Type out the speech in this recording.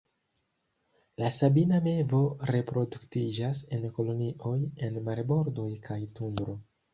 La Sabina mevo reproduktiĝas en kolonioj en marbordoj kaj tundro.